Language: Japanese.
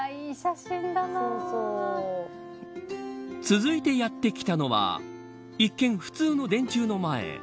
続いてやって来たのは一見、普通の電柱の前。